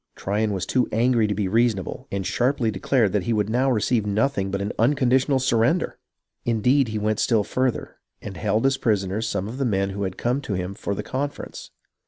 Tryon was too angry to be reasonable, and sharply declared that he would now receive nothing but an un conditional surrender. Indeed, he went still further, and held as prisoners some of the men who had come to him for the conference.